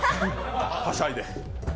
はしゃいで。